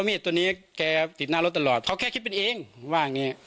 มีดตัวนี้แกติดหน้ารถตลอดเขาแค่คิดเป็นเองว่าอย่างงี้